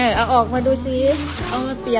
นี่เอาออกมาดูได้มั้ย